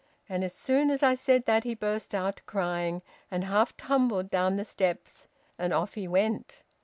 And as soon as I said that he burst out crying, and half tumbled down the steps, and off he went!